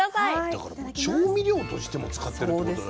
だからもう調味料としても使ってるってことだね。